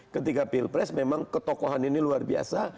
ketika pilpres memang ketokohan ini luar biasa